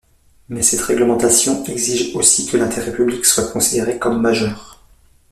Mais cette réglementation exige aussi que l'intérêt public soit considéré comme majeur.